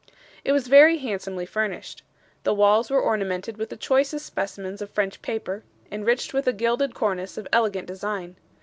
It was very handsomely furnished. The walls were ornamented with the choicest specimens of French paper, enriched with a gilded cornice of elegant design.